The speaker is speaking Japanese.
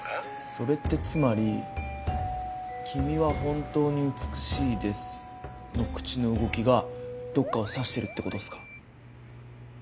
それってつまり「君は本当に美しいです」の口の動きがどっかを指してるってことですか？